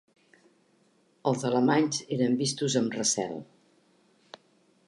Els alemanys eren vistos amb recel.